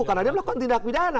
karena dia melakukan tindak pidana